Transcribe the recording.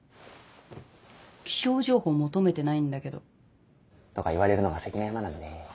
気象情報求めてないんだけどとか言われるのが関の山なんで。